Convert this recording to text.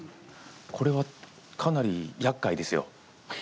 これはかなりやっかいですよ